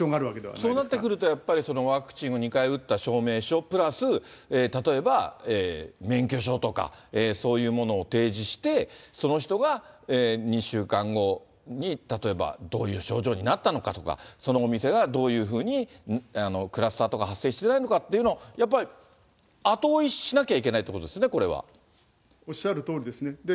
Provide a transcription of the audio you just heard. そうなってくるとやっぱり、ワクチンを２回打った証明書プラス例えば免許証とか、そういうものを提示して、その人が２週間後に例えばどういう症状になったのかとか、そのお店がどういうふうにクラスターとか発生してないのかっていうのをやっぱり後追いしなきゃいけないということですよね、これおっしゃるとおりですね。